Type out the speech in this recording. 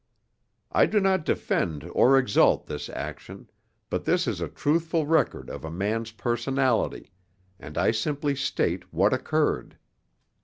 I do not defend or exalt this action; but this is a truthful record of a man's personality, and I simply state what occurred.